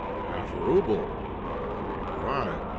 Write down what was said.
"Half a rouble!" cried he. "Why?